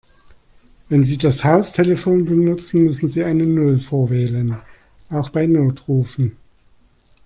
Wenn Sie das Haustelefon benutzen, müssen Sie eine Null vorwählen, auch bei Notrufen.